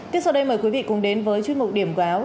tiếp sau đây mời quý vị cùng đến với chương trình điểm gáo